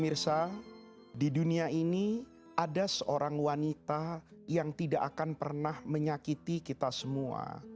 pemirsa di dunia ini ada seorang wanita yang tidak akan pernah menyakiti kita semua